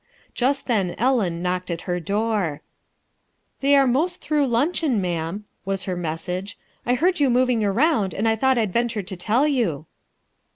Just then Ellen knocked at her door, "They are 'most through luncheon, ma'am/' was her message " I heard you moving around and I thought I'd venture to tell you."